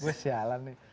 gue sialan nih